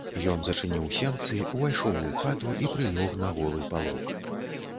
Ён зачыніў сенцы, увайшоў у хату і прылёг на голы палок.